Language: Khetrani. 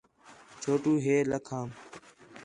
چھوٹو ہے ہا لَکھام